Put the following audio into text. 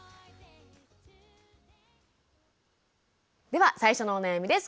では最初のお悩みです。